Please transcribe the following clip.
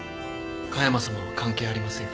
華山さまは関係ありません。